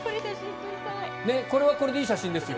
これはこれでいい写真ですよ。